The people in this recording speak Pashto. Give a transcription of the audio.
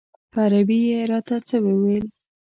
په عربي یې راته څه وویل.